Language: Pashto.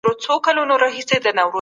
د ځان په اړه زموږ پوهه څنګه ده؟